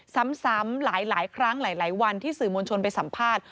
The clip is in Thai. ซ้ำหลายครั้งหลายวันที่สื่อมวลชนไปสัมภาษณ์